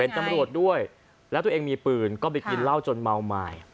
ตำรวจด้วยแล้วตัวเองมีปืนก็ไปกินเหล้าจนเมาไม้